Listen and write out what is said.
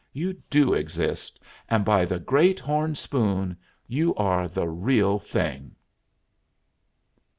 You do exist, and, by the great horn spoon, you are the real thing!"